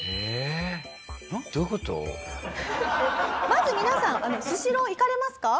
まず皆さんスシロー行かれますか？